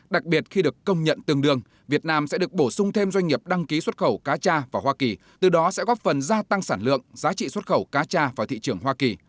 đặc biệt khi được công nhận tương đương việt nam sẽ được bổ sung thêm doanh nghiệp đăng ký xuất khẩu cá cha vào hoa kỳ từ đó sẽ góp phần gia tăng sản lượng giá trị xuất khẩu cá cha vào thị trường hoa kỳ